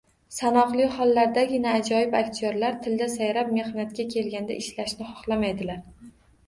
Sanoqli hollardagina ajoyib aktyorlar tilda sayrab, mehnatga kelganda ishlashni xohlamaydi.